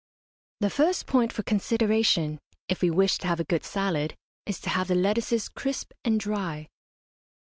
The first point for consideration, if we wish to have a good salad, is to have the lettuces crisp and dry.